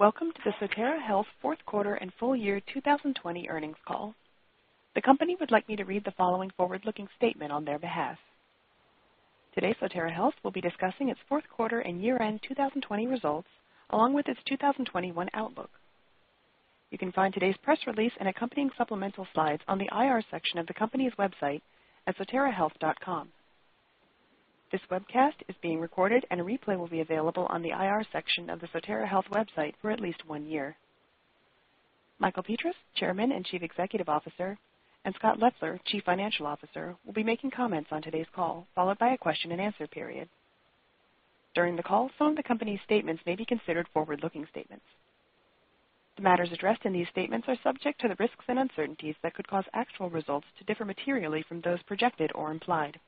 Welcome to the Sotera Health Fourth Quarter and Full Year 2020 Earnings Call. The company would like me to read the following forward-looking statement on their behalf. Today, Sotera Health will be discussing its fourth quarter and year-end 2020 results, along with its 2021 outlook. You can find today's press release and accompanying supplemental slides on the IR section of the company's website at soterahealth.com. This webcast is being recorded and a replay will be available on the IR section of the Sotera Health website for at least one year. Michael Petras, Chairman and Chief Executive Officer, and Scott Leffler, Chief Financial Officer, will be making comments on today's call, followed by a question and answer period. During the call, some of the company's statements may be considered forward-looking statements. The matters addressed in these statements are subject to the risks and uncertainties that could cause actual results to differ materially from those projected or implied.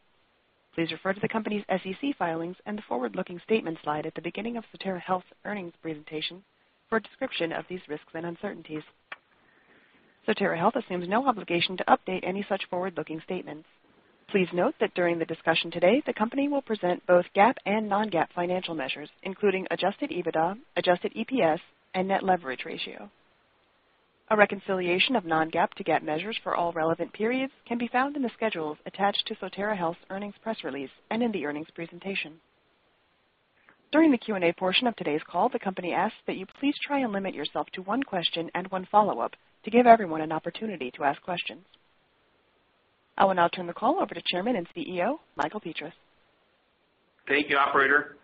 Please refer to the company's SEC filings and the forward-looking statement slide at the beginning of Sotera Health's earnings presentation for a description of these risks and uncertainties. Sotera Health assumes no obligation to update any such forward-looking statements. Please note that during the discussion today, the company will present both GAAP and non-GAAP financial measures, including Adjusted EBITDA, adjusted EPS, and net leverage ratio. A reconciliation of non-GAAP to GAAP measures for all relevant periods can be found in the schedules attached to Sotera Health's earnings press release and in the earnings presentation. During the Q&A portion of today's call, the company asks that you please try and limit yourself to one question and one follow-up to give everyone an opportunity to ask questions. I will now turn the call over to Chairman and CEO, Michael Petras. Thank you, operator.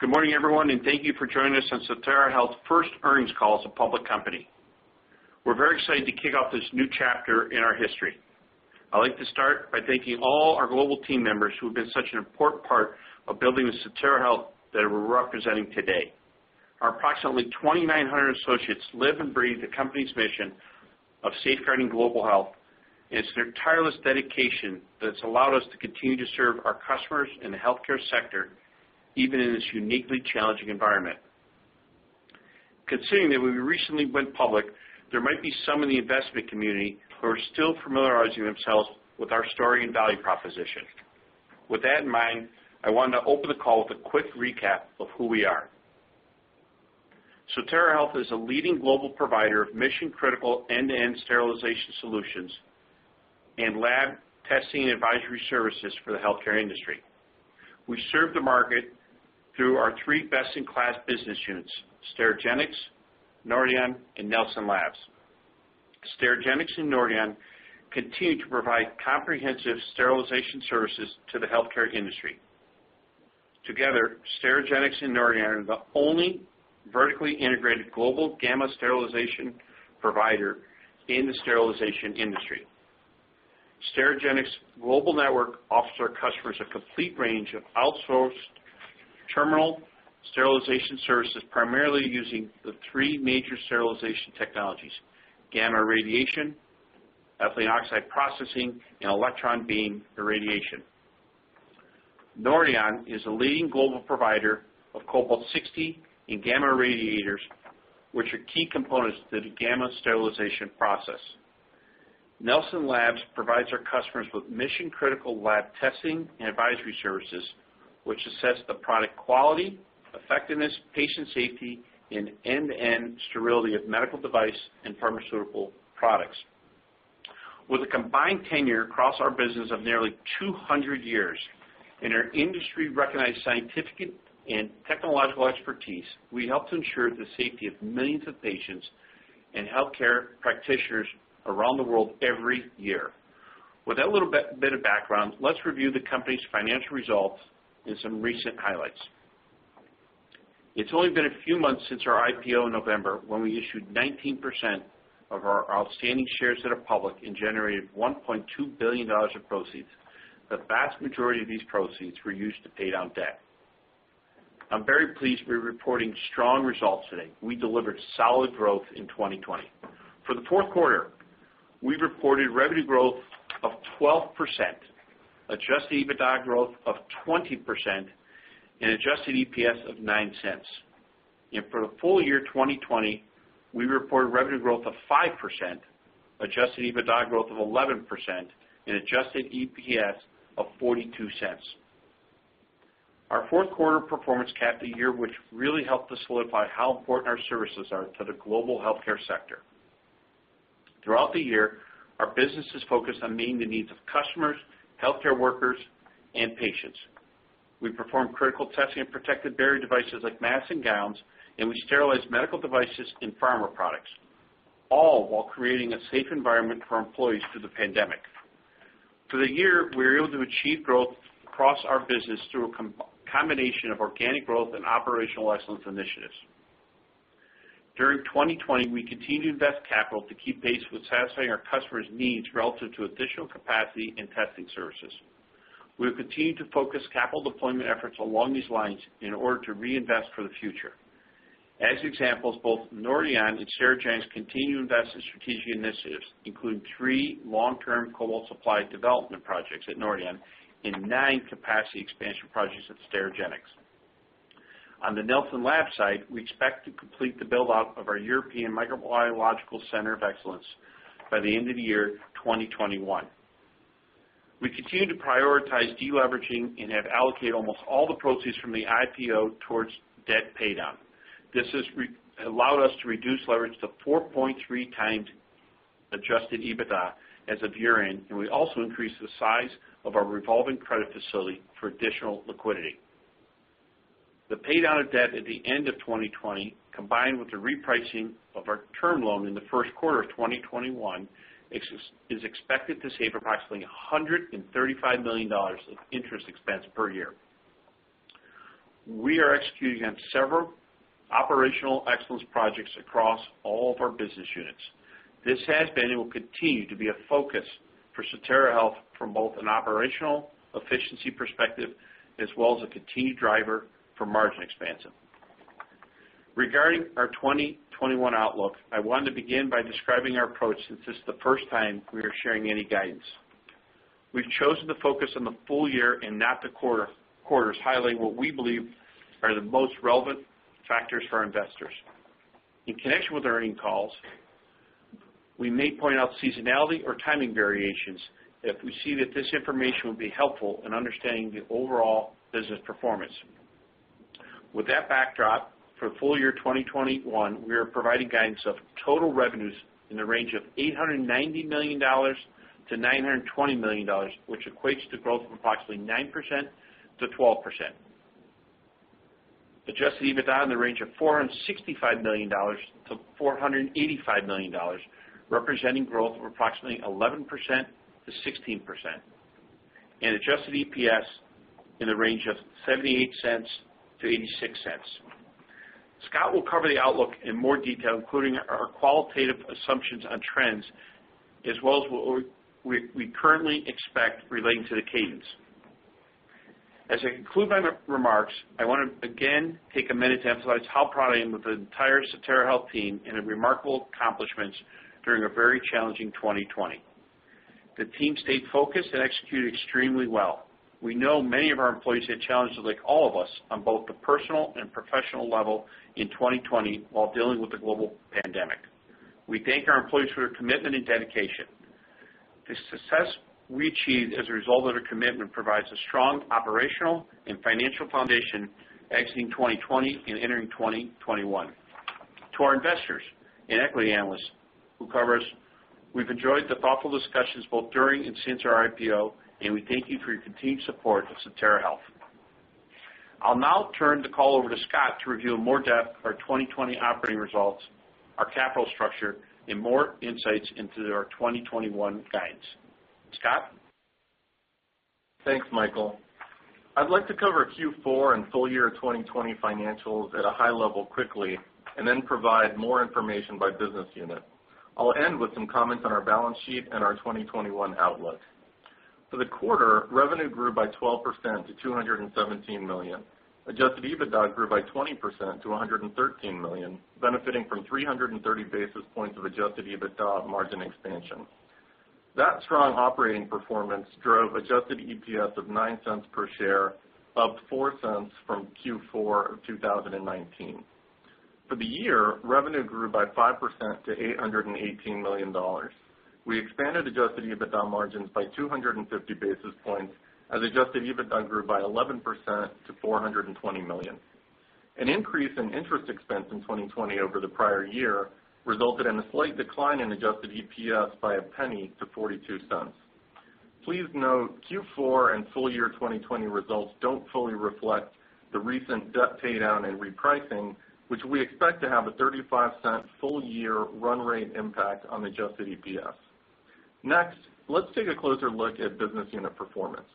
Good morning, everyone, and thank you for joining us on Sotera Health's First Earnings Call as a public company. We're very excited to kick off this new chapter in our history. I'd like to start by thanking all our global team members who have been such an important part of building the Sotera Health that we're representing today. Our approximately 2,900 associates live and breathe the company's mission of safeguarding global health, and it's their tireless dedication that's allowed us to continue to serve our customers in the healthcare sector, even in this uniquely challenging environment. Considering that we recently went public, there might be some in the investment community who are still familiarizing themselves with our story and value proposition. With that in mind, I want to open the call with a quick recap of who we are. Sotera Health is a leading global provider of mission-critical end-to-end sterilization solutions and lab testing and advisory services for the healthcare industry. We serve the market through our three best-in-class business units, Sterigenics, Nordion, and Nelson Labs. Sterigenics and Nordion continue to provide comprehensive sterilization services to the healthcare industry. Together, Sterigenics and Nordion are the only vertically integrated global gamma sterilization provider in the sterilization industry. Sterigenics' global network offers our customers a complete range of outsourced terminal sterilization services, primarily using the three major sterilization technologies, gamma radiation, ethylene oxide processing, and electron beam irradiation. Nordion is a leading global provider of cobalt-60 and gamma irradiators, which are key components to the gamma sterilization process. Nelson Labs provides our customers with mission-critical lab testing and advisory services, which assess the product quality, effectiveness, patient safety, and end-to-end sterility of medical device and pharmaceutical products. With a combined tenure across our business of nearly 200 years and our industry-recognized scientific and technological expertise, we help to ensure the safety of millions of patients and healthcare practitioners around the world every year. With that little bit of background, let's review the company's financial results and some recent highlights. It's only been a few months since our IPO in November when we issued 19% of our outstanding shares that are public and generated $1.2 billion of proceeds. The vast majority of these proceeds were used to pay down debt. I'm very pleased we're reporting strong results today. We delivered solid growth in 2020. For the fourth quarter, we reported revenue growth of 12%, Adjusted EBITDA growth of 20%, and adjusted EPS of $0.09. For the full year 2020, we reported revenue growth of 5%, Adjusted EBITDA growth of 11%, and adjusted EPS of $0.42. Our fourth quarter performance capped a year which really helped to solidify how important our services are to the global healthcare sector. Throughout the year, our business is focused on meeting the needs of customers, healthcare workers, and patients. We performed critical testing of protective barrier devices like masks and gowns, and we sterilized medical devices and pharma products, all while creating a safe environment for our employees through the pandemic. For the year, we were able to achieve growth across our business through a combination of organic growth and operational excellence initiatives. During 2020, we continued to invest capital to keep pace with satisfying our customers' needs relative to additional capacity and testing services. We have continued to focus capital deployment efforts along these lines in order to reinvest for the future. As examples, both Nordion and Sterigenics continue to invest in strategic initiatives, including three long-term cobalt supply development projects at Nordion and nine capacity expansion projects at Sterigenics. On the Nelson Labs side, we expect to complete the build-out of our European Microbiological Center of Excellence by the end of the year 2021. We continue to prioritize de-leveraging and have allocated almost all the proceeds from the IPO towards debt paydown. This has allowed us to reduce leverage to 4.3x Adjusted EBITDA as of year-end, and we also increased the size of our revolving credit facility for additional liquidity. The paydown of debt at the end of 2020, combined with the repricing of our term loan in the first quarter of 2021, is expected to save approximately $135 million of interest expense per year. We are executing on several operational excellence projects across all of our business units. This has been and will continue to be a focus for Sotera Health from both an operational efficiency perspective as well as a continued driver for margin expansion. Regarding our 2021 outlook, I wanted to begin by describing our approach since this is the first time we are sharing any guidance. We've chosen to focus on the full year and not the quarters, highlighting what we believe are the most relevant factors for our investors. In connection with our earning calls, we may point out seasonality or timing variations if we see that this information will be helpful in understanding the overall business performance. With that backdrop, for full year 2021, we are providing guidance of total revenues in the range of $890 million-$920 million, which equates to growth from approximately 9%-12%. Adjusted EBITDA in the range of $465 million-$485 million, representing growth of approximately 11%-16%. And adjusted EPS in the range of $0.78-$0.86. Scott will cover the outlook in more detail, including our qualitative assumptions on trends as well as what we currently expect relating to the cadence. As I conclude my remarks, I want to again take a minute to emphasize how proud I am of the entire Sotera Health team and their remarkable accomplishments during a very challenging 2020. The team stayed focused and executed extremely well. We know many of our employees had challenges like all of us on both the personal and professional level in 2020 while dealing with the global pandemic. We thank our employees for their commitment and dedication. The success we achieved as a result of their commitment provides a strong operational and financial foundation exiting 2020 and entering 2021. To our investors and equity analysts who cover us, we've enjoyed the thoughtful discussions both during and since our IPO, and we thank you for your continued support of Sotera Health. I'll now turn the call over to Scott to review in more depth our 2020 operating results, our capital structure, and more insights into our 2021 guidance. Scott? Thanks, Michael. I'd like to cover Q4 and full year 2020 financials at a high level quickly, then provide more information by business unit. I'll end with some comments on our balance sheet and our 2021 outlook. For the quarter, revenue grew by 12% to $217 million. Adjusted EBITDA grew by 20% to $113 million, benefiting from 330 basis points of Adjusted EBITDA margin expansion. That strong operating performance drove adjusted EPS of $0.09 per share, up $0.04 from Q4 of 2019. For the year, revenue grew by 5% to $818 million. We expanded Adjusted EBITDA margins by 250 basis points as Adjusted EBITDA grew by 11% to $420 million. An increase in interest expense in 2020 over the prior year resulted in a slight decline in adjusted EPS by a penny to $0.42.Please note, Q4 and full year 2020 results don't fully reflect the recent debt paydown and repricing, which we expect to have a $0.35 full-year run rate impact on adjusted EPS. Next let's take a closer look at business unit performance.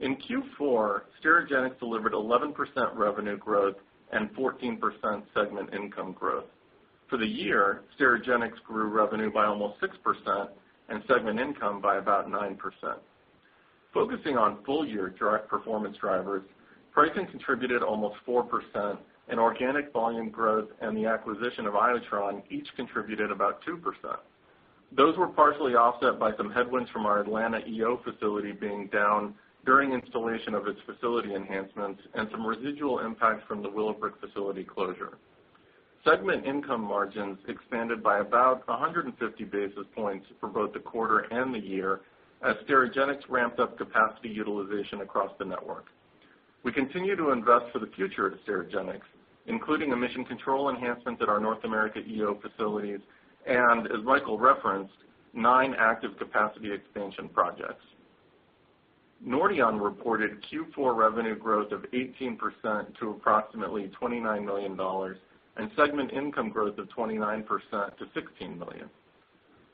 In Q4, Sterigenics delivered 11% revenue growth and 14% segment income growth. For the year, Sterigenics grew revenue by almost 6% and segment income by about 9%. Focusing on full-year direct performance drivers, pricing contributed almost 4%, and organic volume growth and the acquisition of Iotron each contributed about 2%. Those were partially offset by some headwinds from our Atlanta EO facility being down during installation of its facility enhancements and some residual impacts from the Willowbrook facility closure. Segment income margins expanded by about 150 basis points for both the quarter and the year as Sterigenics ramped up capacity utilization across the network. We continue to invest for the future of Sterigenics, including emission control enhancements at our North America EO facilities and, as Michael referenced, nine active capacity expansion projects. Nordion reported Q4 revenue growth of 18% to approximately $29 million and segment income growth of 29% to $16 million.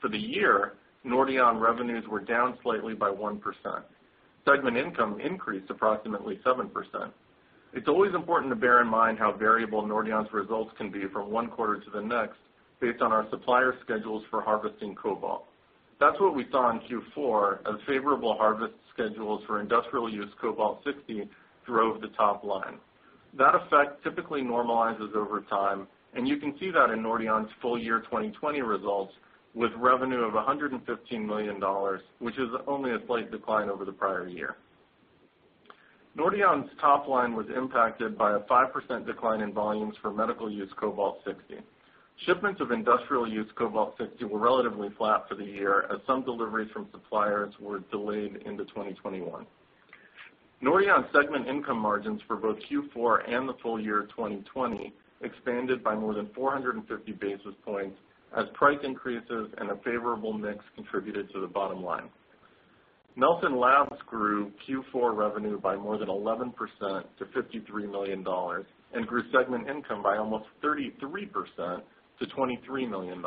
For the year, Nordion revenues were down slightly by 1%. Segment income increased approximately 7%. It's always important to bear in mind how variable Nordion's results can be from one quarter to the next based on our supplier schedules for harvesting cobalt. That's what we saw in Q4, as favorable harvest schedules for industrial use cobalt-60 drove the top line. That effect typically normalizes over time, and you can see that in Nordion's full year 2020 results with revenue of $115 million, which is only a slight decline over the prior year. Nordion's top line was impacted by a 5% decline in volumes for medical use Cobalt-60. Shipments of industrial use cobalt-60 were relatively flat for the year as some deliveries from suppliers were delayed into 2021. Nordion segment income margins for both Q4 and the full year 2020 expanded by more than 450 basis points as price increases and a favorable mix contributed to the bottom line. Nelson Labs grew Q4 revenue by more than 11% to $53 million and grew segment income by almost 33% to $23 million.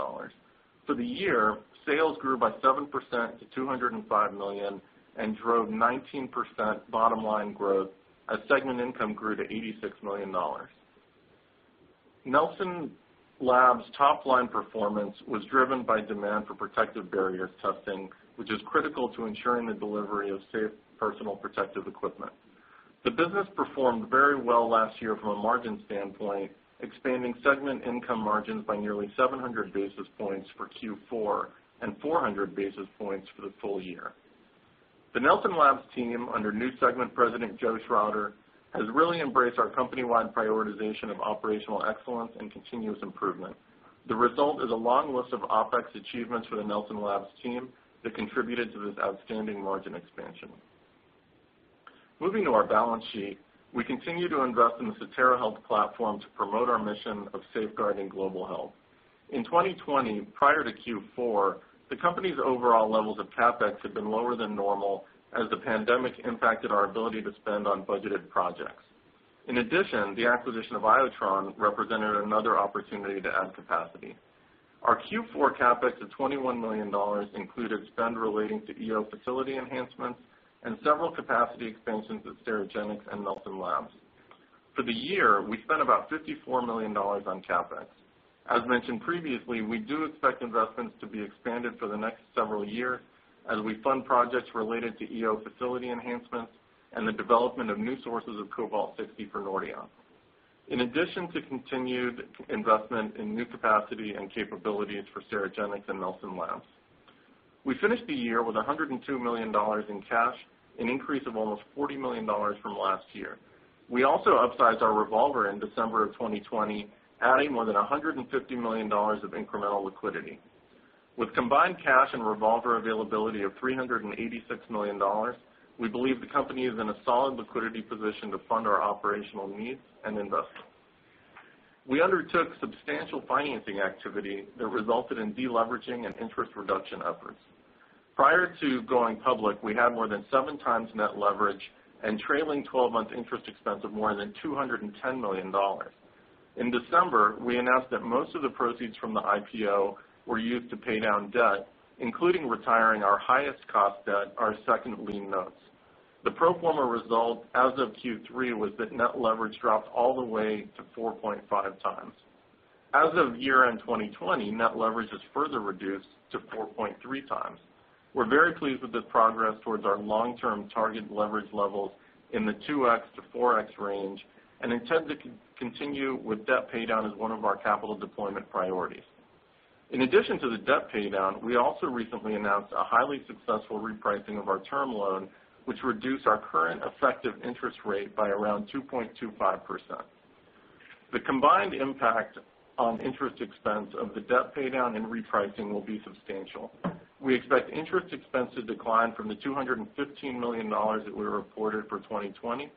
For the year, sales grew by 7% to $205 million and drove 19% bottom-line growth as segment income grew to $86 million. Nelson Labs' top-line performance was driven by demand for protective barrier testing, which is critical to ensuring the delivery of safe personal protective equipment. The business performed very well last year from a margin standpoint, expanding segment income margins by nearly 700 basis points for Q4 and 400 basis points for the full year. The Nelson Labs team, under new segment President, Joe Shrawder, has really embraced our company-wide prioritization of operational excellence and continuous improvement. The result is a long list of OpEx achievements for the Nelson Labs team that contributed to this outstanding margin expansion. Moving to our balance sheet, we continue to invest in the Sotera Health platform to promote our mission of safeguarding global health. In 2020, prior to Q4, the company's overall levels of CapEx had been lower than normal as the pandemic impacted our ability to spend on budgeted projects. In addition the acquisition of Iotron represented another opportunity to add capacity. Our Q4 CapEx of $21 million included spend relating to EO facility enhancements and several capacity expansions at Sterigenics and Nelson Labs. For the year, we spent about $54 million on CapEx. As mentioned previously, we do expect investments to be expanded for the next several years as we fund projects related to EO facility enhancements and the development of new sources of cobalt-60 for Nordion, in addition to continued investment in new capacity and capabilities for Sterigenics and Nelson Labs. We finished the year with $102 million in cash, an increase of almost $40 million from last year. We also upsized our revolver in December of 2020, adding more than $150 million of incremental liquidity. With combined cash and revolver availability of $386 million, we believe the company is in a solid liquidity position to fund our operational needs and investments. We undertook substantial financing activity that resulted in de-leveraging and interest reduction efforts. Prior to going public, we had more than 7x net leverage and trailing 12-month interest expense of more than $210 million. In December, we announced that most of the proceeds from the IPO were used to pay down debt, including retiring our highest cost debt, our second lien notes. The pro forma result as of Q3 was that net leverage dropped all the way to 4.5x. As of year-end 2020, net leverage is further reduced to 4.3x. We're very pleased with this progress towards our long-term target leverage levels in the 2x-4x range and intend to continue with debt paydown as one of our capital deployment priorities. In addition to the debt paydown, we also recently announced a highly successful repricing of our term loan, which reduced our current effective interest rate by around 2.25%. The combined impact on interest expense of the debt paydown and repricing will be substantial. We expect interest expense to decline from the $215 million that we reported for 2020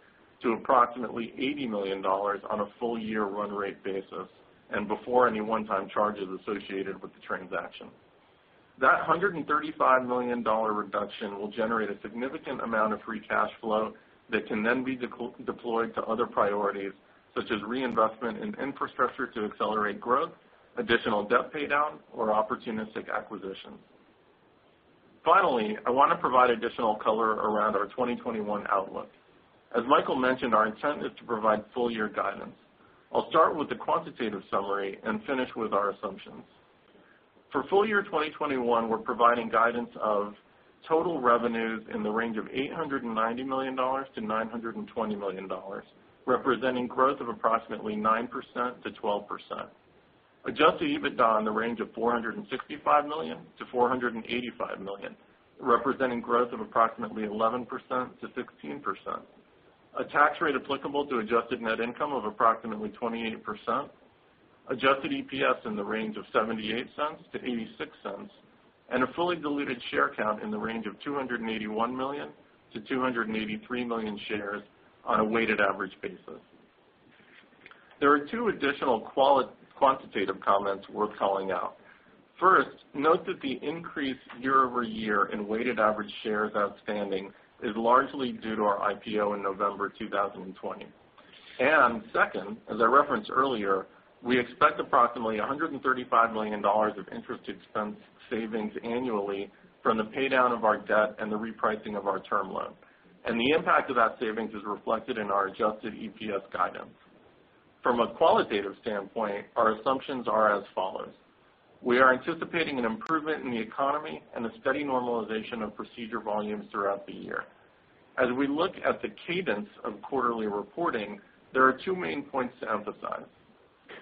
to approximately $80 million on a full-year run rate basis and before any one-time charges associated with the transaction. That $135 million reduction will generate a significant amount of free cash flow that can then be deployed to other priorities, such as reinvestment in infrastructure to accelerate growth, additional debt paydown, or opportunistic acquisitions. Finally, I want to provide additional color around our 2021 outlook. As Michael mentioned, our intent is to provide full-year guidance. I'll start with the quantitative summary and finish with our assumptions. For full year 2021, we're providing guidance of total revenues in the range of $890 million-$920 million, representing growth of approximately 9%-12%. Adjusted EBITDA in the range of $465 million-$485 million, representing growth of approximately 11%-16%. A tax rate applicable to adjusted net income of approximately 28%. Adjusted EPS in the range of $0.78-$0.86, and a fully diluted share count in the range of 281 million-283 million shares on a weighted average basis. There are two additional quantitative comments worth calling out. First, note that the increase year-over-year in weighted average shares outstanding is largely due to our IPO in November 2020. And sEcond, as I referenced earlier, we expect approximately $135 million of interest expense savings annually from the paydown of our debt and the repricing of our term loan. The impact of that savings is reflected in our adjusted EPS guidance. From a qualitative standpoint, our assumptions are as follows. We are anticipating an improvement in the economy and a steady normalization of procedure volumes throughout the year. As we look at the cadence of quarterly reporting, there are two main points to emphasize.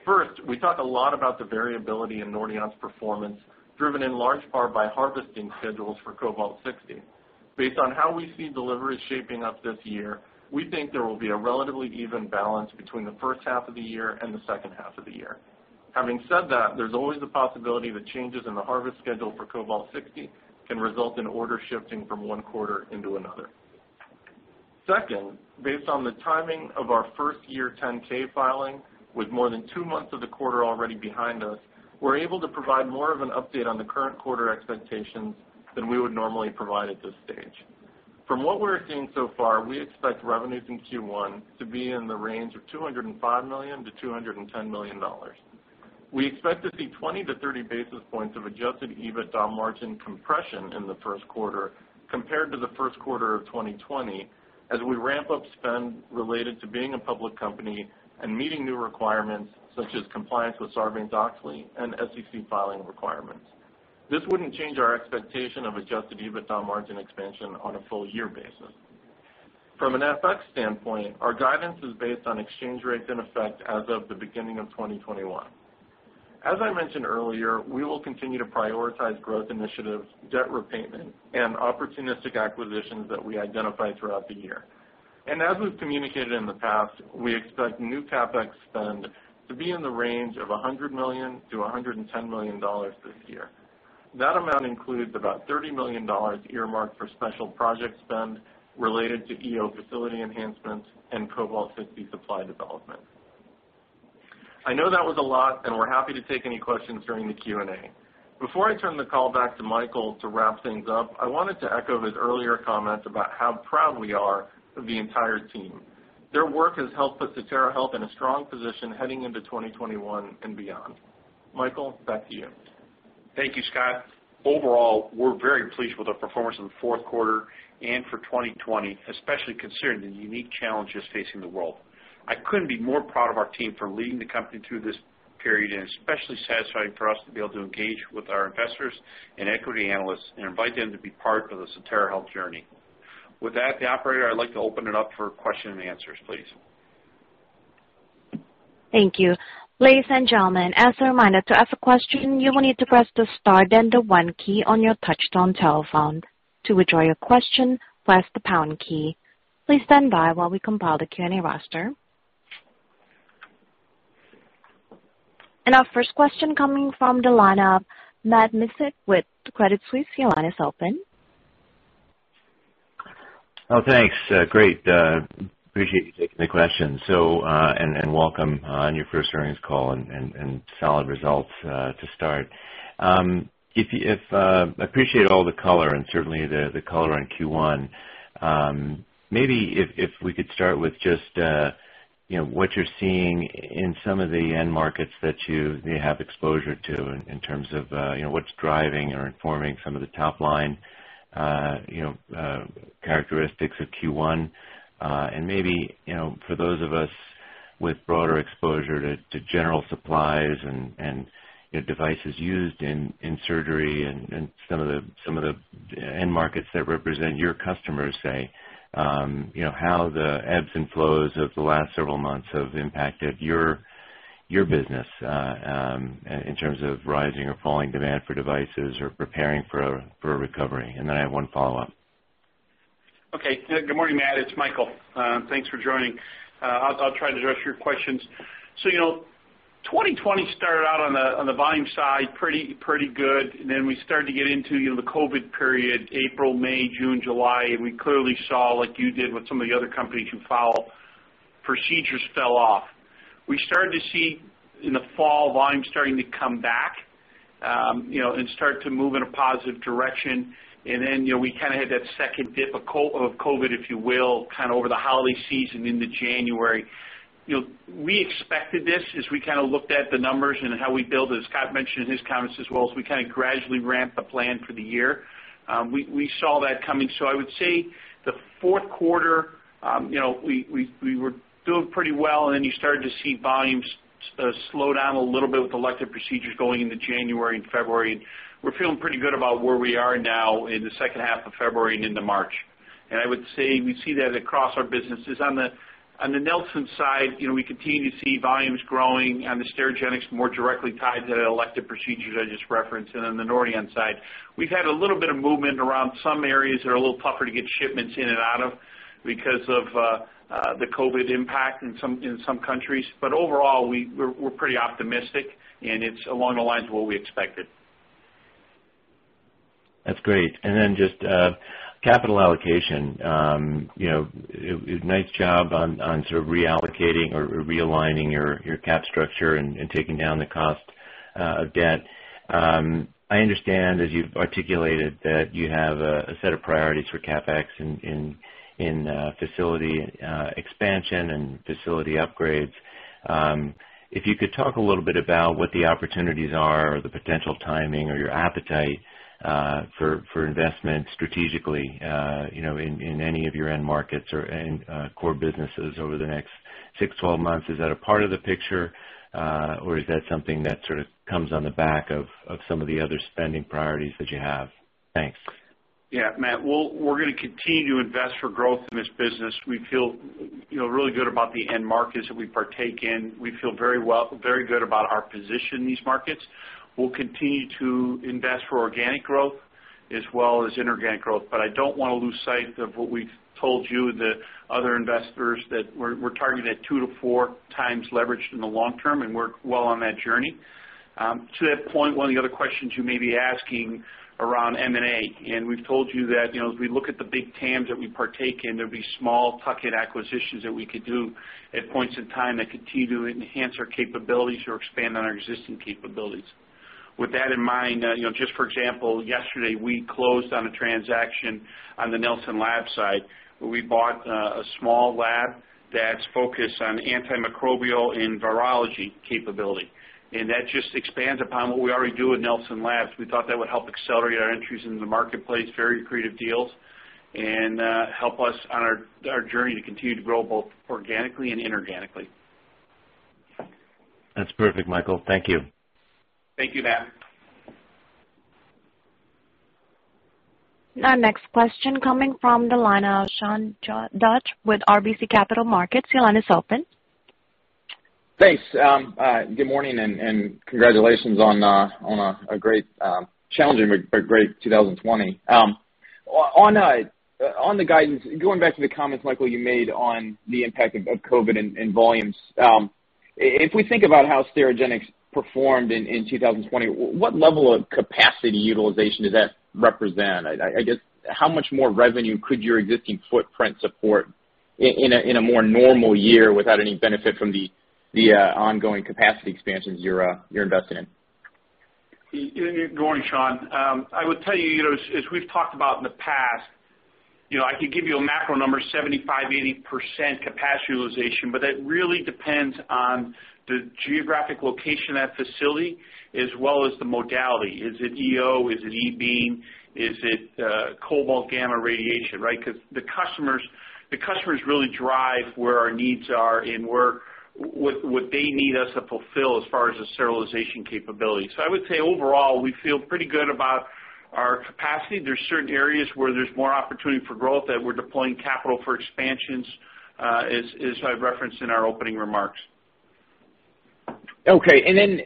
First, we talk a lot about the variability in Nordion's performance, driven in large part by harvesting schedules for cobalt-60. Based on how we see deliveries shaping up this year, we think there will be a relatively even balance between the first half of the year and the second half of the year. Having said that, there's always the possibility that changes in the harvest schedule for cobalt-60 can result in orders shifting from one quarter into another. Second, based on the timing of our first-year 10-K filing, with more than two months of the quarter already behind us, we're able to provide more of an update on the current quarter expectations than we would normally provide at this stage. From what we're seeing so far, we expect revenues in Q1 to be in the range of $205 million-$210 million. We expect to see 20-30 basis points of Adjusted EBITDA margin compression in the first quarter compared to the first quarter of 2020 as we ramp up spend related to being a public company and meeting new requirements such as compliance with Sarbanes-Oxley and SEC filing requirements. This wouldn't change our expectation of Adjusted EBITDA margin expansion on a full-year basis. From an FX standpoint, our guidance is based on exchange rates in effect as of the beginning of 2021. As I mentioned earlier, we will continue to prioritize growth initiatives, debt repayment, and opportunistic acquisitions that we identify throughout the year. As we've communicated in the past, we expect new CapEx spend to be in the range of $100 million-$110 million this year. That amount includes about $30 million earmarked for special project spend related to EO facility enhancements and cobalt-60 supply development. I know that was a lot, and we're happy to take any questions during the Q&A. Before I turn the call back to Michael to wrap things up, I wanted to echo his earlier comments about how proud we are of the entire team. Their work has helped put Sotera Health in a strong position heading into 2021 and beyond. Michael, back to you. Thank you, Scott. Overall, we're very pleased with our performance in the fourth quarter and for 2020, especially considering the unique challenges facing the world. I couldn't be more proud of our team for leading the company through this period, and it's especially satisfying for us to be able to engage with our investors and equity analysts and invite them to be part of the Sotera Health journey. With that, the operator, I'd like to open it up for question and answers, please. Thank you. Ladies and gentlemen, as a reminder to ask a question, you will need to press the start and the one key on your touchtone telephone. To withdraw your question, press the pound key. Please stand by while we compile the Q&A roster. And our first question coming from the line of Matt Miksic with Credit Suisse. Your line is open. Thanks. Great. Appreciate you taking the question. Welcome on your first earnings call and solid results to start. I appreciate all the color and certainly the color on Q1. Maybe if we could start with just what you're seeing in some of the end markets that you have exposure to in terms of what's driving or informing some of the top-line characteristics of Q1. And maybe for those of us with broader exposure to general supplies and devices used in surgery and some of the end markets that represent your customers, say, how the ebbs and flows of the last several months have impacted your business in terms of rising or falling demand for devices or preparing for a recovery. I have one follow-up. Okay. Good morning, Matt. It's Michael. Thanks for joining. I'll try to address your questions. 2020 started out on the volume side pretty good. Then we started to get into the COVID period, April, May, June, July, and we clearly saw, like you did with some of the other companies you follow, procedures fell off. We started to see in the fall, volume starting to come back and start to move in a positive direction. Then we kind of had that second dip of COVID, if you will, over the holiday season into January. We expected this as we looked at the numbers and how we build, as Scott mentioned in his comments as well, we kind of gradually ramp the plan for the year. We saw that coming.I would say the fourth quarter, we were doing pretty well, and then you started to see volumes slow down a little bit with elective procedures going into January and February. We're feeling pretty good about where we are now in the second half of February and into March. I would say we see that across our businesses. On the Nelson side, we continue to see volumes growing and the Sterigenics more directly tied to the elective procedures I just referenced. On the Nordion side, we've had a little bit of movement around some areas that are a little tougher to get shipments in and out of because of the COVID impact in some countries. Overall, we're pretty optimistic, and it's along the lines of what we expected. That's great. Then just capital allocation. Nice job on sort of reallocating or realigning your cap structure and taking down the cost of debt. I understand, as you've articulated, that you have a set of priorities for CapEx in facility expansion and facility upgrades. If you could talk a little bit about what the opportunities are or the potential timing or your appetite for investment strategically in any of your end markets or core businesses over the next six, 12 months. Is that a part of the picture or is that something that sort of comes on the back of some of the other spending priorities that you have? Thanks. Yeah, Matt, we're going to continue to invest for growth in this business. We feel really good about the end markets that we partake in. We feel very good about our position in these markets. We'll continue to invest for organic growth as well as inorganic growth. I don't want to lose sight of what we've told you and the other investors, that we're targeting that 2x-4x leverage in the long term, and we're well on that journey. To that point, one of the other questions you may be asking around M&A, and we've told you that as we look at the big TAMs that we partake in, there'll be small tuck-in acquisitions that we could do at points in time that continue to enhance our capabilities or expand on our existing capabilities. With that in mind, just for example, yesterday, we closed on a transaction on the Nelson Labs side, where we bought a small lab that's focused on antimicrobial and virology capability. That just expands upon what we already do at Nelson Labs. We thought that would help accelerate our entries into the marketplace, very accretive deals, and help us on our journey to continue to grow both organically and inorganically. That's perfect, Michael. Thank you. Thank you, Matt. Our next question coming from the line of Sean Dodge with RBC Capital Markets. Your line is open. Thanks. Good morning, and congratulations on a challenging but great 2020. On the guidance, going back to the comments, Michael, you made on the impact of COVID and volumes. If we think about how Sterigenics performed in 2020, what level of capacity utilization does that represent? I guess, how much more revenue could your existing footprint support in a more normal year without any benefit from the ongoing capacity expansions you're investing in? Good morning, Sean. I would tell you, as we've talked about in the past, I could give you a macro number, 75%-80% capacity utilization, but that really depends on the geographic location of that facility as well as the modality. Is it EO? Is it E-beam? Is it cobalt-60 gamma radiation, right? The customers really drive where our needs are and what they need us to fulfill as far as the sterilization capability. I would say overall, we feel pretty good about our capacity. There's certain areas where there's more opportunity for growth that we're deploying capital for expansions, as I referenced in our opening remarks. Okay.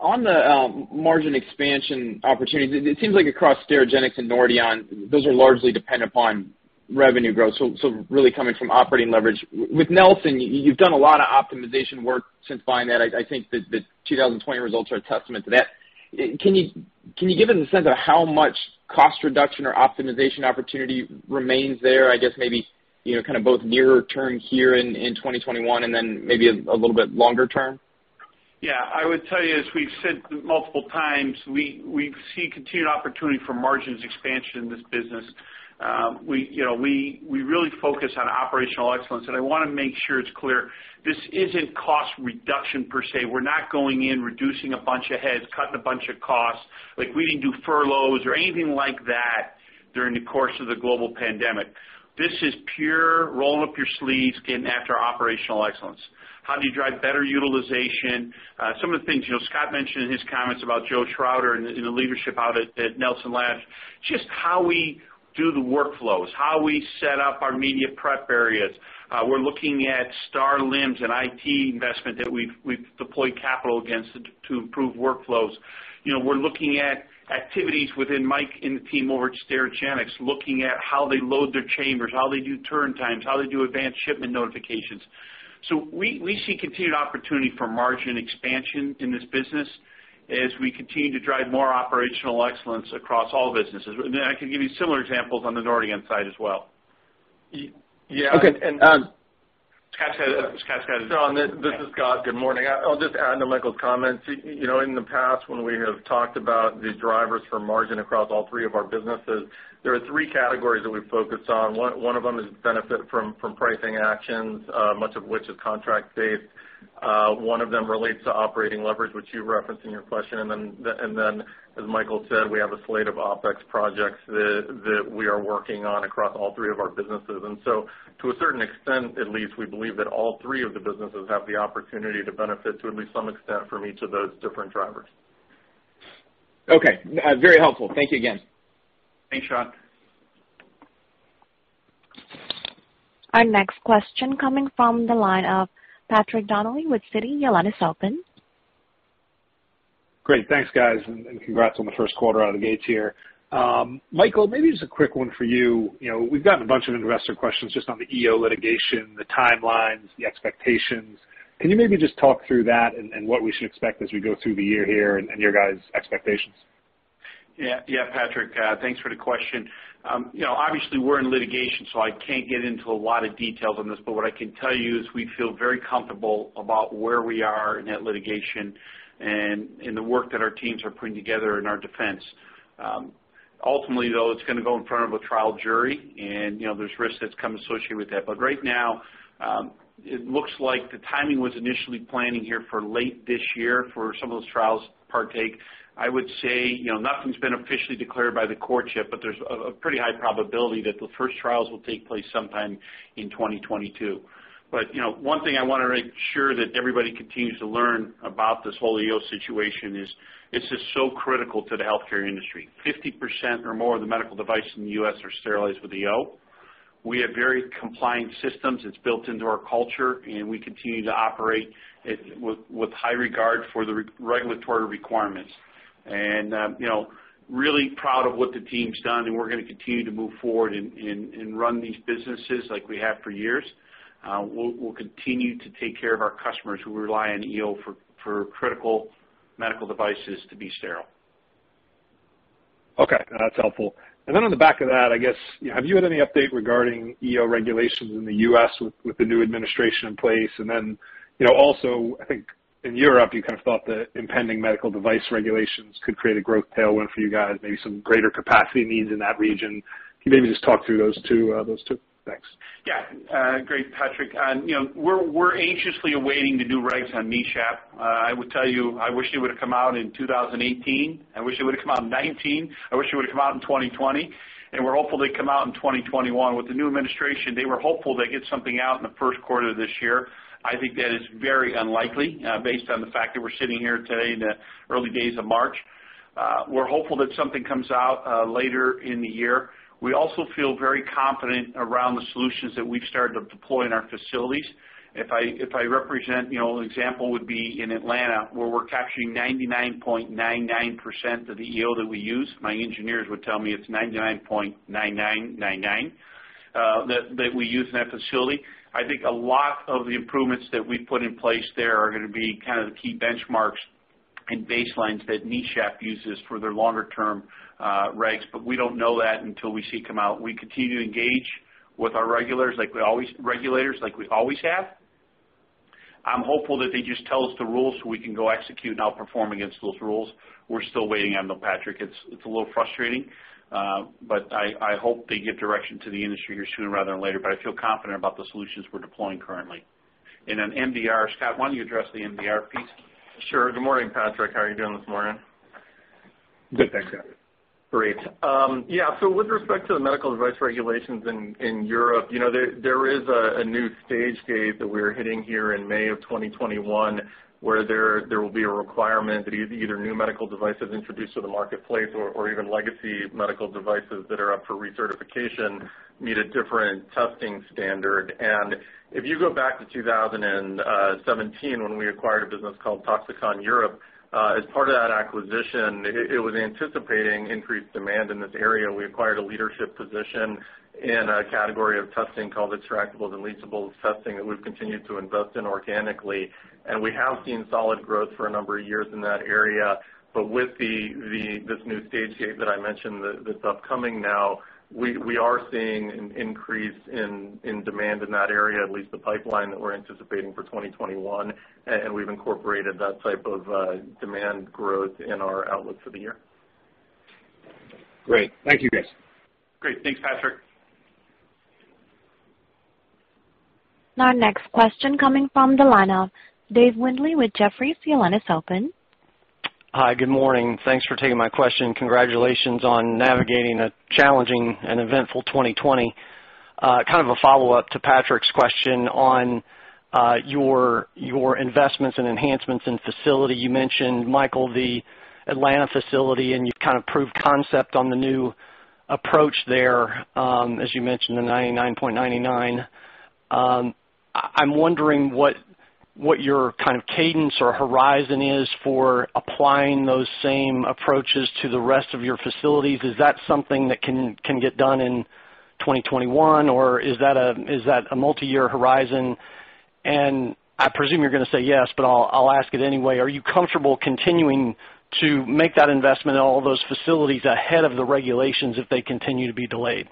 On the margin expansion opportunities, it seems like across Sterigenics and Nordion, those are largely dependent upon revenue growth, so really coming from operating leverage. With Nelson, you've done a lot of optimization work since buying that. I think that the 2020 results are a testament to that. Can you give us a sense of how much cost reduction or optimization opportunity remains there, I guess maybe, kind of both nearer term here in 2021 and then maybe a little bit longer term? Yeah. I would tell you, as we've said multiple times, we see continued opportunity for margins expansion in this business. We really focus on operational excellence, and I want to make sure it's clear this isn't cost reduction per se. We're not going in reducing a bunch of heads, cutting a bunch of costs. We didn't do furloughs or anything like that during the course of the global pandemic. This is pure roll up your sleeves, getting after operational excellence. How do you drive better utilization? Some of the things Scott mentioned in his comments about Joe Shrawder and the leadership out at Nelson Labs. Just how we do the workflows, how we set up our media prep areas. We're looking at STARLIMS and IT investment that we've deployed capital against to improve workflows. We're looking at activities within Mike and the team over at Sterigenics, looking at how they load their chambers, how they do turn times, how they do advanced shipment notifications. We see continued opportunity for margin expansion in this business as we continue to drive more operational excellence across all businesses. I can give you similar examples on the Nordion side as well. Yeah. Scott's got it. Sean, this is Scott. Good morning. I'll just add to Michael's comments. In the past, when we have talked about the drivers for margin across all three of our businesses, there are three categories that we focus on. One of them is benefit from pricing actions, much of which is contract-based. One of them relates to operating leverage, which you referenced in your question. As Michael said, we have a slate of OpEx projects that we are working on across all three of our businesses. To a certain extent, at least, we believe that all three of the businesses have the opportunity to benefit to at least some extent from each of those different drivers. Okay. Very helpful. Thank you again. Thanks, Sean. Our next question coming from the line of Patrick Donnelly with Citi. Your line is open. Great. Thanks, guys, and congrats on the first quarter out of the gates here. Michael, maybe just a quick one for you. We've gotten a bunch of investor questions just on the EO litigation, the timelines, the expectations. Can you maybe just talk through that and what we should expect as we go through the year here and your guys' expectations? Yeah, Patrick. Thanks for the question. Obviously, we're in litigation. I can't get into a lot of details on this. What I can tell you is we feel very comfortable about where we are in that litigation and in the work that our teams are putting together in our defense. Ultimately, though, it's going to go in front of a trial jury. There's risks that come associated with that. Right now, it looks like the timing was initially planning here for late this year for some of those trials to partake. I would say nothing's been officially declared by the court yet. There's a pretty high probability that the first trials will take place sometime in 2022. One thing I want to make sure that everybody continues to learn about this whole EO situation is this is so critical to the healthcare industry. 50% or more of the medical device in the U.S. are sterilized with EO. We have very compliant systems. It's built into our culture, and we continue to operate with high regard for the regulatory requirements. We are really proud of what the team's done, and we're going to continue to move forward and run these businesses like we have for years. We'll continue to take care of our customers who rely on EO for critical medical devices to be sterile. Okay. That's helpful. On the back of that, I guess, have you had any update regarding EO regulations in the U.S. with the new administration in place? Also, I think in Europe, you kind of thought that impending medical device regulations could create a growth tailwind for you guys, maybe some greater capacity needs in that region. Can you maybe just talk through those two? Thanks. Yeah. Great, Patrick. We're anxiously awaiting the new regs on NESHAP. I would tell you, I wish it would've come out in 2018. I wish it would've come out in 2019. I wish it would've come out in 2020, and we're hopeful it'll come out in 2021. With the new administration, they were hopeful they'd get something out in the first quarter of this year. I think that is very unlikely based on the fact that we're sitting here today in the early days of March. We're hopeful that something comes out later in the year. We also feel very confident around the solutions that we've started to deploy in our facilities. If I represent, an example would be in Atlanta, where we're capturing 99.99% of the EO that we use. My engineers would tell me it's 99.9999, that we use in that facility. I think a lot of the improvements that we've put in place there are going to be kind of the key benchmarks and baselines that NESHAP uses for their longer-term regs. We don't know that until we see it come out. We continue to engage with our regulators like we always have. I'm hopeful that they just tell us the rules so we can go execute and outperform against those rules. We're still waiting on them, Patrick. It's a little frustrating. I hope they give direction to the industry here sooner rather than later, but I feel confident about the solutions we're deploying currently. MDR, Scott, why don't you address the MDR piece? Sure. Good morning, Patrick. How are you doing this morning? Good, thanks, Scott. Great. Yeah. With respect to the medical device regulations in Europe, there is a new stage gate that we're hitting here in May of 2021, where there will be a requirement that either new medical devices introduced to the marketplace or even legacy medical devices that are up for recertification need a different testing standard. If you go back to 2017, when we acquired a business called Toxikon Europe, as part of that acquisition, it was anticipating increased demand in this area. We acquired a leadership position in a category of testing called extractables and leachables testing that we've continued to invest in organically. We have seen solid growth for a number of years in that area. With this new stage gate that I mentioned that's upcoming now, we are seeing an increase in demand in that area, at least the pipeline that we're anticipating for 2021. We've incorporated that type of demand growth in our outlook for the year. Great. Thank you, guys. Great. Thanks, Patrick. Our next question coming from the line of Dave Windley with Jefferies. Your line is open. Hi. Good morning. Thanks for taking my question. Congratulations on navigating a challenging and eventful 2020. Kind of a follow-up to Patrick's question on your investments and enhancements in facility. You mentioned, Michael, the Atlanta facility, and you've kind of proved concept on the new approach there, as you mentioned, the 99.99. I'm wondering what your kind of cadence or horizon is for applying those same approaches to the rest of your facilities. Is that something that can get done in 2021, or is that a multi-year horizon? I presume you're going to say yes, but I'll ask it anyway. Are you comfortable continuing to make that investment in all of those facilities ahead of the regulations if they continue to be delayed?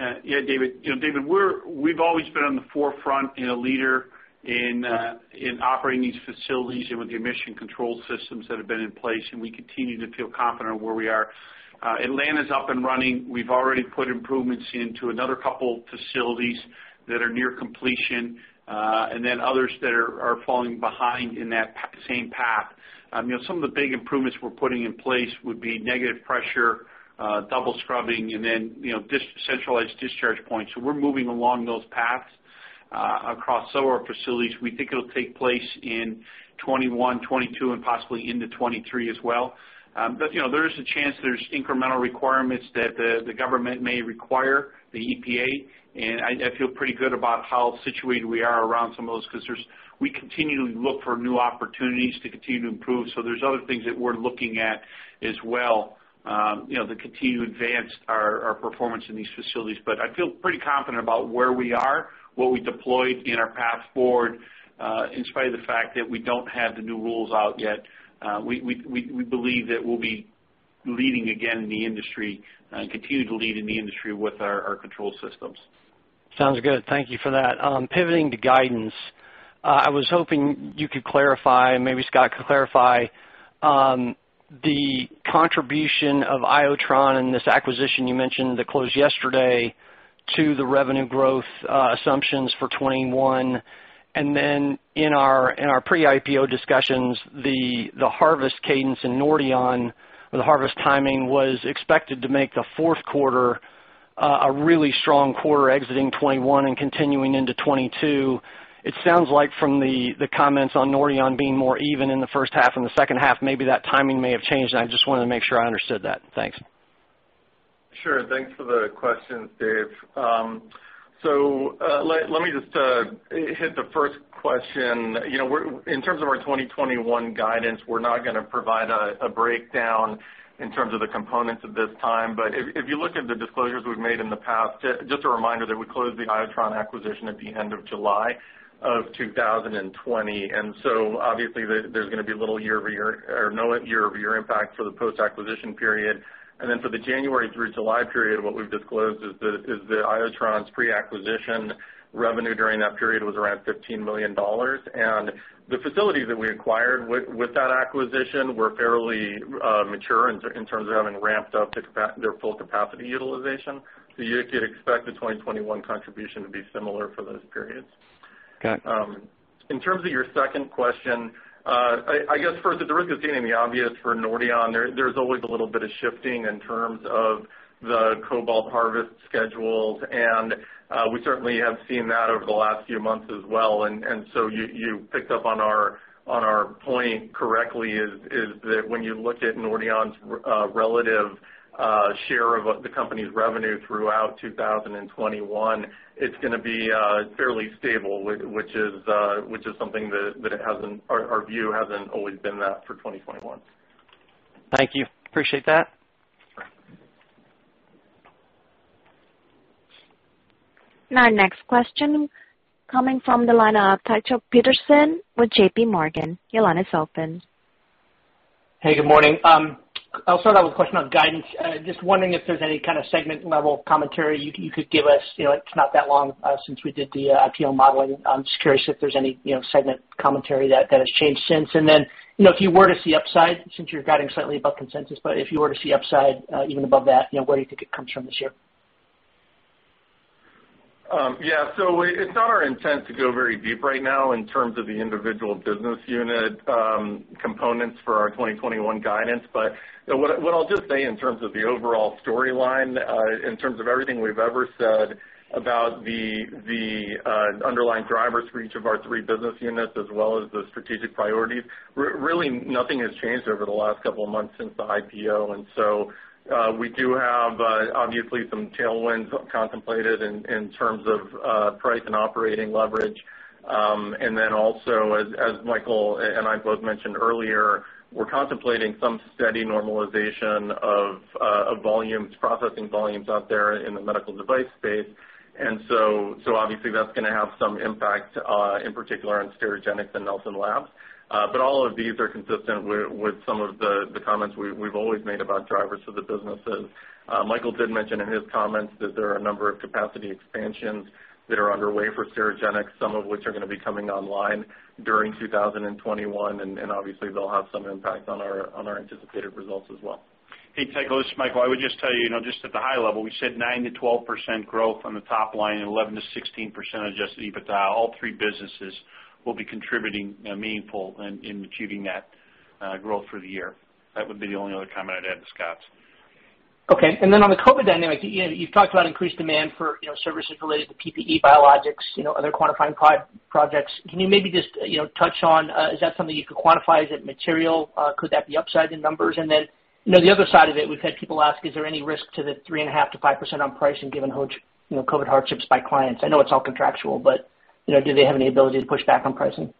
Thanks. David, we've always been on the forefront and a leader in operating these facilities and with the emission control systems that have been in place, and we continue to feel confident on where we are. Atlanta's up and running. We've already put improvements into another couple facilities that are near completion, and then others that are falling behind in that same path. Some of the big improvements we're putting in place would be negative pressure, double scrubbing, and then centralized discharge points. We're moving along those paths across some of our facilities. We think it'll take place in 2021, 2022, and possibly into 2023 as well. There is a chance there's incremental requirements that the government may require, the EPA, and I feel pretty good about how situated we are around some of those because we continually look for new opportunities to continue to improve. There's other things that we're looking at as well, to continue to advance our performance in these facilities. I feel pretty confident about where we are, what we deployed in our path forward. In spite of the fact that we don't have the new rules out yet, we believe that we'll be leading again in the industry and continue to lead in the industry with our control systems. Sounds good. Thank you for that. Pivoting to guidance. I was hoping you could clarify, and maybe Scott could clarify, the contribution of Iotron and this acquisition you mentioned that closed yesterday to the revenue growth assumptions for 2021. And then in our pre-IPO discussions, the harvest cadence in Nordion or the harvest timing was expected to make the fourth quarter a really strong quarter exiting 2021 and continuing into 2022. It sounds like from the comments on Nordion being more even in the first half and the second half, maybe that timing may have changed, and I just wanted to make sure I understood that. Thanks. Sure. Thanks for the questions, Dave. Let me just hit the first question. In terms of our 2021 guidance, we're not going to provide a breakdown in terms of the components at this time. If you look at the disclosures we've made in the past, just a reminder that we closed the Iotron acquisition at the end of July of 2020. Obviously there's going to be no year-over-year impact for the post-acquisition period. For the January through July period, what we've disclosed is that Iotron's pre-acquisition revenue during that period was around $15 million. The facilities that we acquired with that acquisition were fairly mature in terms of having ramped up their full capacity utilization. You could expect the 2021 contribution to be similar for those periods. Okay. In terms of your second question, I guess first, at the risk of stating the obvious for Nordion, there's always a little bit of shifting in terms of the cobalt harvest schedules, and we certainly have seen that over the last few months as well. You picked up on our point correctly, is that when you look at Nordion's relative share of the company's revenue throughout 2021, it's going to be fairly stable, which is something that our view hasn't always been that for 2021. Thank you. Appreciate that. Our next question coming from the line of Tycho Peterson with JPMorgan. Your line is open. Hey, good morning. I'll start out with a question on guidance. Just wondering if there's any kind of segment level commentary you could give us. It's not that long since we did the IPO modeling. I'm just curious if there's any segment commentary that has changed since. If you were to see upside, since you're guiding slightly above consensus, but if you were to see upside even above that, where do you think it comes from this year? Yeah. It's not our intent to go very deep right now in terms of the individual business unit components for our 2021 guidance. What I'll just say in terms of the overall storyline, in terms of everything we've ever said about the underlying drivers for each of our three business units as well as the strategic priorities, really nothing has changed over the last couple of months since the IPO. We do have obviously some tailwinds contemplated in terms of price and operating leverage. Then also, as Michael and I both mentioned earlier, we're contemplating some steady normalization of processing volumes out there in the medical device space. Obviously that's going to have some impact, in particular on Sterigenics and Nelson Labs. All of these are consistent with some of the comments we've always made about drivers to the businesses. Michael did mention in his comments that there are a number of capacity expansions that are underway for Sterigenics, some of which are going to be coming online during 2021, and obviously they'll have some impact on our anticipated results as well. Hey, Tycho, this is Michael. I would just tell you, just at the high level, we said 9%-12% growth on the top line and 11%-16% Adjusted EBITDA. All three businesses will be contributing meaningful in achieving that growth for the year. That would be the only other comment I'd add to Scott's. Okay. On the COVID dynamic, you've talked about increased demand for services related to PPE biologics, other quantifying projects. Can you maybe just touch on, is that something you could quantify? Is it material? Could that be upside in numbers? The other side of it, we've had people ask, is there any risk to the 3.5%-5% on pricing given COVID hardships by clients? I know it's all contractual, do they have any ability to push back on pricing?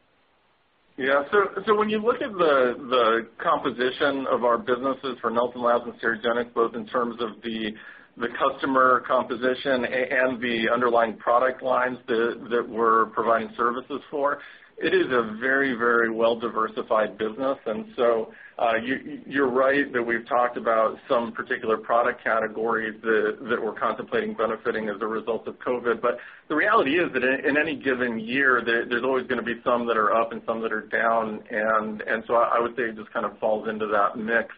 When you look at the composition of our businesses for Nelson Labs and Sterigenics, both in terms of the customer composition and the underlying product lines that we're providing services for, it is a very well-diversified business. And so you're right that we've talked about some particular product categories that we're contemplating benefiting as a result of COVID. The reality is that in any given year, there's always going to be some that are up and some that are down. I would say it just kind of falls into that mix.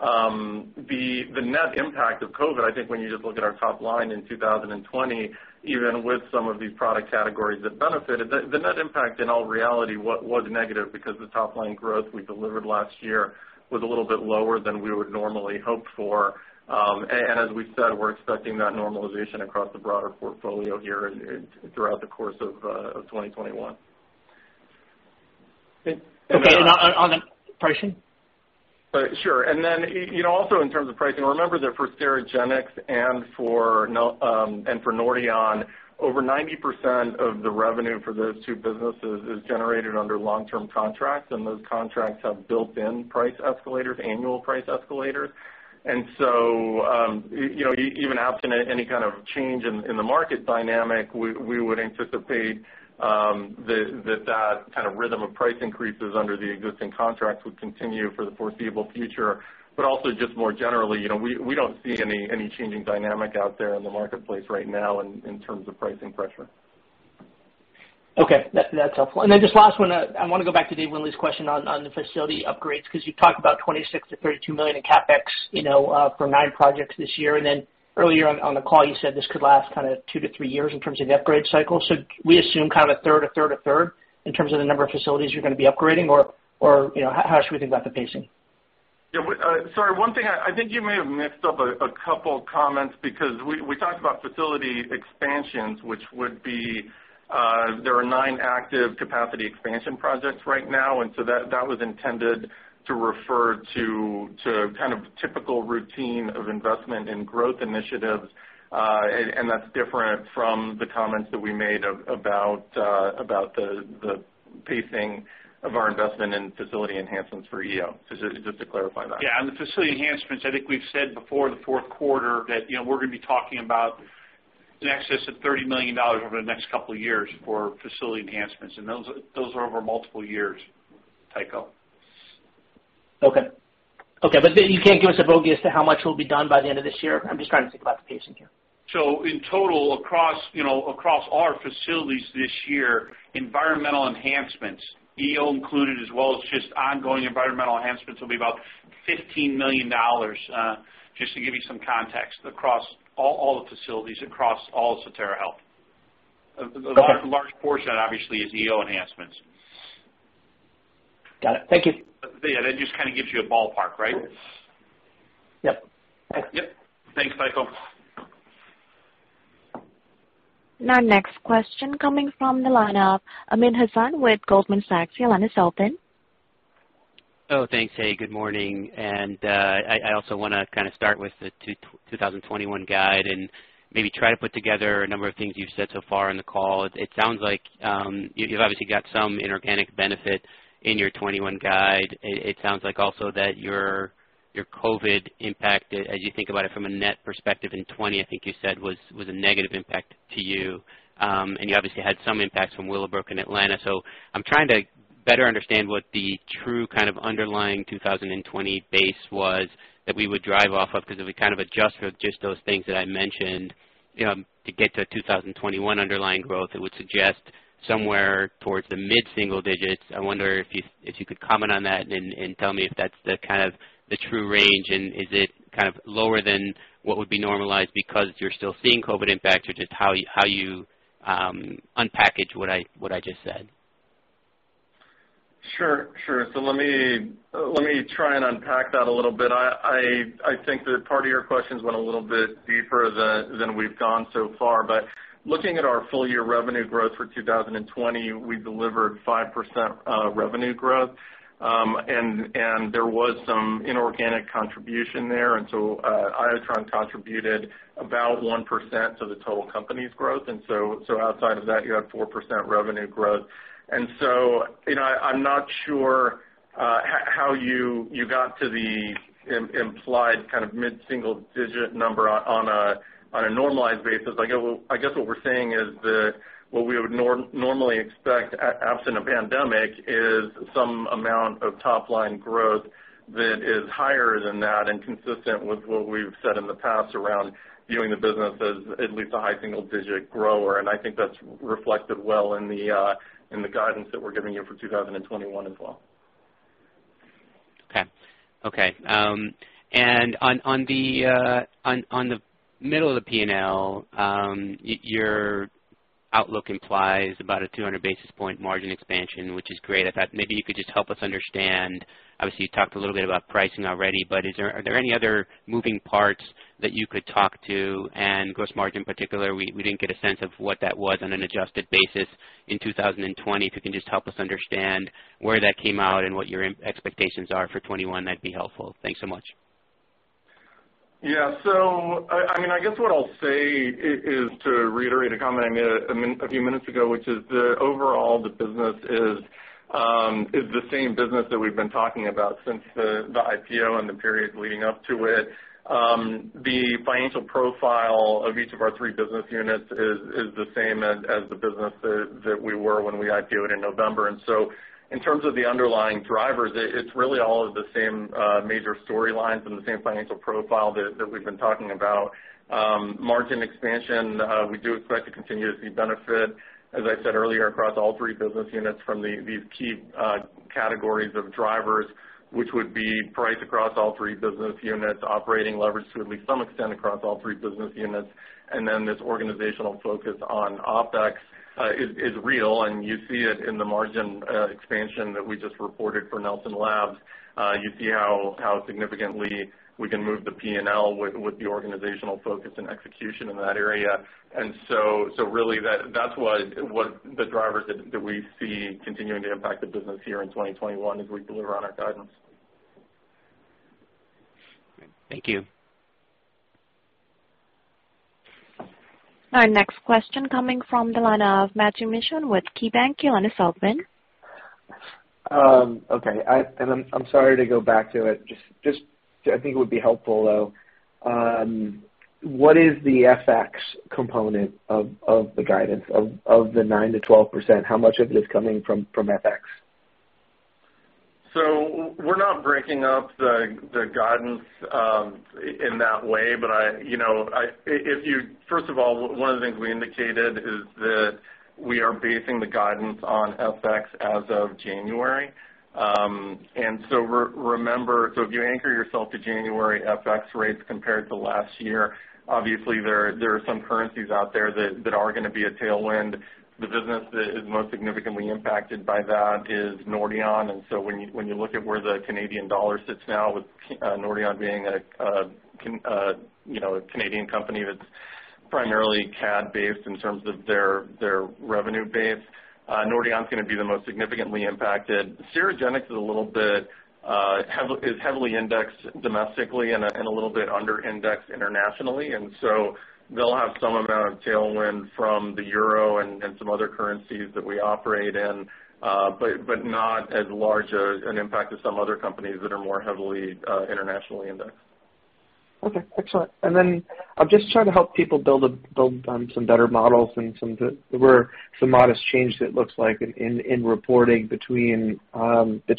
The net impact of COVID, I think when you just look at our top line in 2020, even with some of these product categories that benefited, the net impact in all reality was negative because the top line growth we delivered last year was a little bit lower than we would normally hope for. As we've said, we're expecting that normalization across the broader portfolio here throughout the course of 2021. Okay. On the pricing? Sure. Then also in terms of pricing, remember that for Sterigenics and for Nordion, over 90% of the revenue for those two businesses is generated under long-term contracts, and those contracts have built-in price escalators, annual price escalators. So even absent any kind of change in the market dynamic, we would anticipate that that kind of rhythm of price increases under the existing contracts would continue for the foreseeable future. Also just more generally, we don't see any changing dynamic out there in the marketplace right now in terms of pricing pressure. Okay. That's helpful. Then just last one, I want to go back to Dave Windley's question on the facility upgrades, because you've talked about $26 million-$32 million in CapEx for nine projects this year. Then earlier on the call, you said this could last kind of 2-3 years in terms of the upgrade cycle. We assume kind of a third, a third, a third in terms of the number of facilities you're going to be upgrading, or how should we think about the pacing? Yeah. Sorry, one thing, I think you may have mixed up a couple of comments because we talked about facility expansions, which would be, there are nine active capacity expansion projects right now. That was intended to refer to typical routine of investment in growth initiatives. That's different from the comments that we made about the pacing of our investment in facility enhancements for EO, just to clarify that. On the facility enhancements, I think we've said before the fourth quarter that we're going to be talking about in excess of $30 million over the next couple of years for facility enhancements, and those are over multiple years, Tycho. Okay. You can't give us a bogey as to how much will be done by the end of this year? I'm just trying to think about the pacing here. In total, across our facilities this year, environmental enhancements, EO included, as well as just ongoing environmental enhancements, will be about $15 million, just to give you some context, across all the facilities, across all Sotera Health. Okay. A large portion, obviously, is EO enhancements. Got it. Thank you. Yeah, that just gives you a ballpark, right? Yep. Thanks. Yep. Thanks, Tycho. Our next question coming from the line of Amit Hazan with Goldman Sachs. Oh, thanks. Hey, good morning. I also want to start with the 2021 guide and maybe try to put together a number of things you've said so far on the call. It sounds like you've obviously got some inorganic benefit in your 2021 guide. It sounds like also that your COVID impact, as you think about it from a net perspective in 2020, I think you said, was a negative impact to you. You obviously had some impacts from Willowbrook and Atlanta. I'm trying to better understand what the true underlying 2020 base was that we would drive off of, because if we adjust for just those things that I mentioned to get to 2021 underlying growth, it would suggest somewhere towards the mid-single digits. I wonder if you could comment on that and tell me if that's the true range, and is it lower than what would be normalized because you're still seeing COVID impacts, or just how you unpackage what I just said. Sure. Let me try and unpack that a little bit. I think that part of your questions went a little bit deeper than we've gone so far. Looking at our full-year revenue growth for 2020, we delivered 5% revenue growth. There was some inorganic contribution there. Iotron contributed about 1% to the total company's growth. Outside of that, you had 4% revenue growth. I'm not sure how you got to the implied mid-single digit number on a normalized basis. I guess what we're saying is that what we would normally expect, absent a pandemic, is some amount of top-line growth that is higher than that and consistent with what we've said in the past around viewing the business as at least a high single-digit grower. I think that's reflected well in the guidance that we're giving you for 2021 as well. Okay. On the middle of the P&L, your outlook implies about a 200 basis point margin expansion, which is great. I thought maybe you could just help us understand, obviously, you talked a little bit about pricing already, but are there any other moving parts that you could talk to? Gross margin particular, we didn't get a sense of what that was on an adjusted basis in 2020. If you can just help us understand where that came out and what your expectations are for 2021, that'd be helpful. Thanks so much. Yeah. I guess what I'll say is to reiterate a comment I made a few minutes ago, which is that overall, the business is the same business that we've been talking about since the IPO and the periods leading up to it. The financial profile of each of our three business units is the same as the business that we were when we IPO'd in November. In terms of the underlying drivers, it's really all of the same major storylines and the same financial profile that we've been talking about. Margin expansion, we do expect to continue to see benefit, as I said earlier, across all three business units from these key categories of drivers, which would be price across all three business units, operating leverage to at least some extent across all three business units, and then this organizational focus on OpEx is real, and you see it in the margin expansion that we just reported for Nelson Labs. You see how significantly we can move the P&L with the organizational focus and execution in that area. Really, that's the drivers that we see continuing to impact the business here in 2021 as we deliver on our guidance. Thank you. Our next question coming from the line of Matthew Mishan with KeyBanc. Your line is open. Okay. I'm sorry to go back to it. I think it would be helpful, though. What is the FX component of the guidance of the 9%-12%? How much of it is coming from FX? We're not breaking up the guidance in that way. First of all, one of the things we indicated is that we are basing the guidance on FX as of January. Remember, if you anchor yourself to January FX rates compared to last year, obviously there are some currencies out there that are going to be a tailwind. The business that is most significantly impacted by that is Nordion. When you look at where the Canadian dollar sits now with Nordion being a Canadian company that's primarily CAD-based in terms of their revenue base. Nordion's going to be the most significantly impacted. Sterigenics a little bit is heavily indexed domestically and a little bit under index internationally, and so they'll have some amount of tailwind from the euro and some other currencies that we operate in, but not as large an impact as some other companies that are more heavily internationally indexed. Okay, excellent. I'm just trying to help people build some better models and there were some modest change it looks like in reporting between the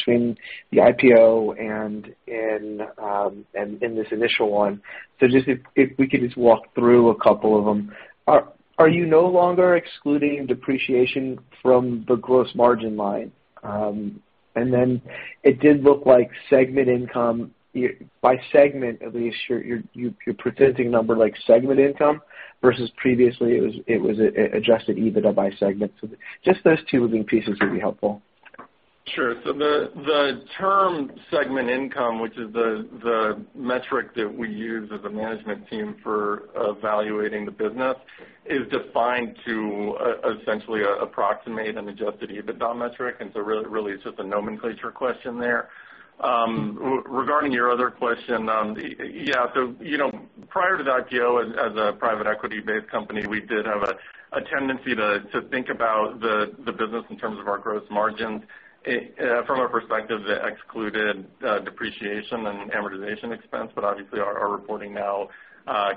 IPO and in this initial one. If we could walk through a couple of them. Are you no longer excluding depreciation from the gross margin line? It did look like segment income, by segment at least, you're presenting a number like segment income versus previously it was Adjusted EBITDA by segment. Those two moving pieces would be helpful. Sure. The term segment income, which is the metric that we use as a management team for evaluating the business, is defined to essentially approximate an Adjusted EBITDA metric. Really, it's just a nomenclature question there. Regarding your other question, yeah, prior to the IPO as a private equity-based company, we did have a tendency to think about the business in terms of our gross margins from a perspective that excluded depreciation and amortization expense. Obviously our reporting now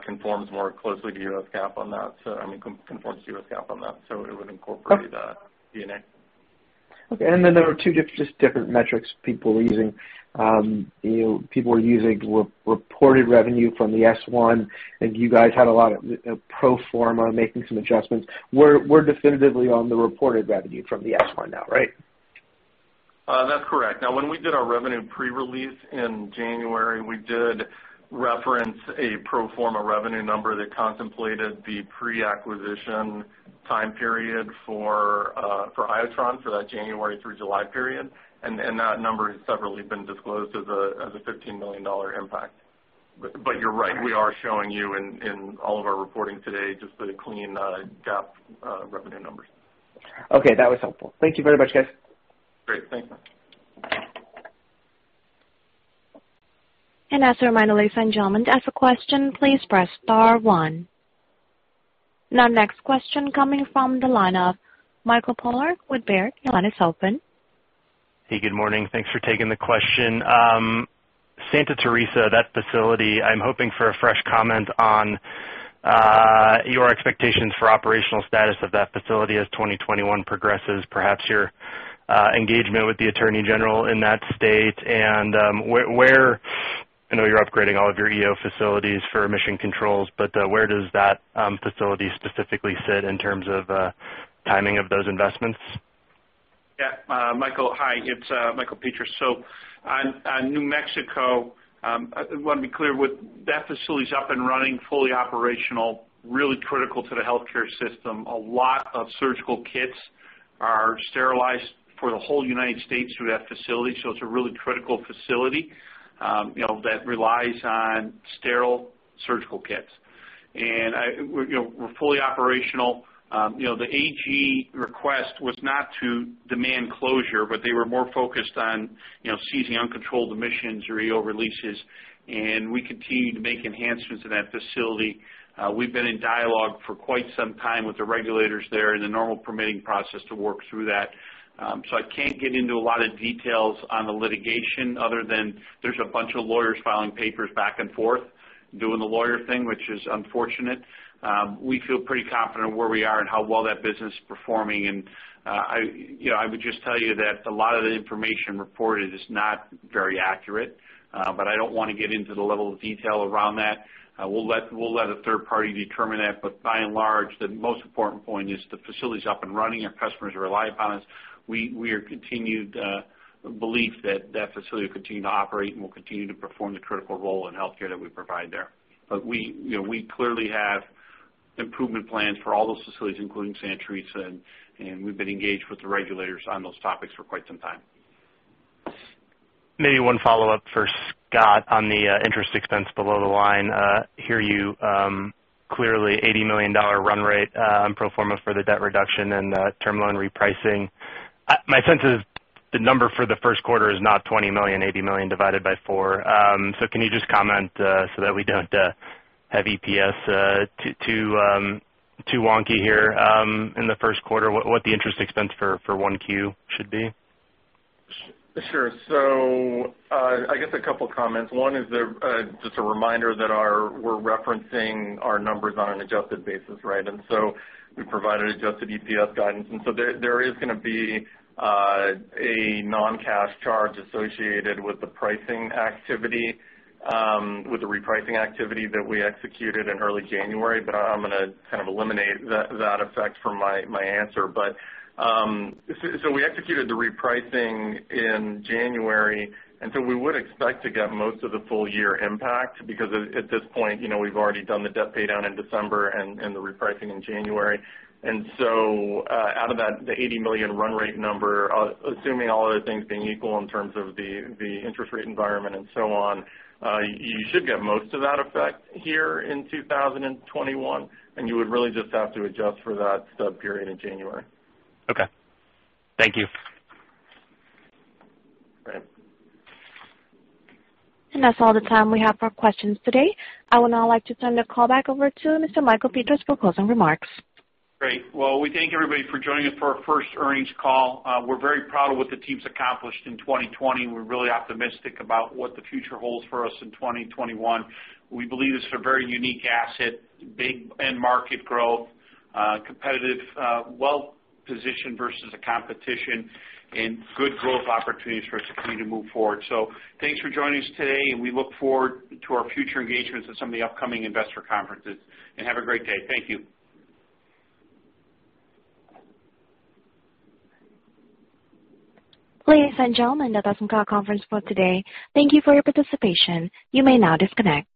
conforms more closely to US GAAP on that, so it would incorporate DA. Okay. There were two just different metrics people were using. People were using reported revenue from the S-1, and you guys had a lot of pro forma making some adjustments. We're definitively on the reported revenue from the S-1 now, right? That's correct. When we did our revenue pre-release in January, we did reference a pro forma revenue number that contemplated the pre-acquisition time period for Iotron for that January through July period. That number has separately been disclosed as a $15 million impact. You're right, we are showing you in all of our reporting today just the clean GAAP revenue numbers. Okay, that was helpful. Thank you very much, guys. Great. Thanks, Mark. As a reminder, ladies and gentlemen, to ask a question, please press star one. Next question coming from the line of Michael Polark with Baird. Your line is open. Hey, good morning. Thanks for taking the question. Santa Teresa, that facility, I'm hoping for a fresh comment on your expectations for operational status of that facility as 2021 progresses, perhaps your engagement with the attorney general in that state and I know you're upgrading all of your EO facilities for emission controls, but where does that facility specifically sit in terms of timing of those investments? Yeah. Michael, hi. It's Michael Petras. So on New Mexico, I want to be clear, that facility's up and running, fully operational, really critical to the healthcare system. A lot of surgical kits are sterilized for the whole United States through that facility. It's a really critical facility that relies on sterile surgical kits. We're fully operational. The AG request was not to demand closure, but they were more focused on seizing uncontrolled emissions or EO releases, and we continue to make enhancements in that facility. We've been in dialogue for quite some time with the regulators there in the normal permitting process to work through that. I can't get into a lot of details on the litigation other than there's a bunch of lawyers filing papers back and forth, doing the lawyer thing, which is unfortunate. We feel pretty confident where we are and how well that business is performing. I would just tell you that a lot of the information reported is not very accurate. I don't want to get into the level of detail around that. We'll let a third party determine that. By and large, the most important point is the facility's up and running. Our customers rely upon us. We are continued belief that that facility will continue to operate and will continue to perform the critical role in healthcare that we provide there. We clearly have improvement plans for all those facilities, including Santa Teresa. We've been engaged with the regulators on those topics for quite some time. Maybe one follow-up for Scott on the interest expense below the line. Hear you clearly, $80 million run rate pro forma for the debt reduction and the term loan repricing. My sense is the number for the first quarter is not $20 million, $80 million divided by four. Can you just comment, so that we don't have EPS too wonky here in the first quarter, what the interest expense for 1Q should be? Sure. I guess a couple comments. One is just a reminder that we're referencing our numbers on an adjusted basis, right? We provided adjusted EPS guidance, and so there is going to be a non-cash charge associated with the pricing activity, with the repricing activity that we executed in early January. I'm going to kind of eliminate that effect from my answer. We executed the repricing in January, and so we would expect to get most of the full year impact because at this point, we've already done the debt pay down in December and the repricing in January. Out of that, the $80 million run rate number, assuming all other things being equal in terms of the interest rate environment and so on, you should get most of that effect here in 2021, and you would really just have to adjust for that stub period in January. Okay. Thank you. That's all the time we have for questions today. I would now like to turn the call back over to Mr. Michael Petras for closing remarks. Great. Well, we thank everybody for joining us for our first earnings call. We're very proud of what the team's accomplished in 2020. We're really optimistic about what the future holds for us in 2021. We believe it's a very unique asset, big end market growth, competitive, well-positioned versus the competition, and good growth opportunities for us to continue to move forward. Thanks for joining us today, and we look forward to our future engagements at some of the upcoming investor conferences. Have a great day. Thank you. Ladies and gentlemen, that does end our conference call today. Thank you for your participation. You may now disconnect.